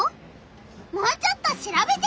もうちょっと調べてくる！